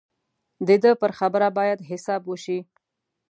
د ده پر خبره باید حساب وشي.